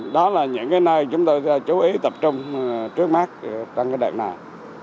đó là những nơi chúng tôi chú ý tập trung trước mắt trong đợt này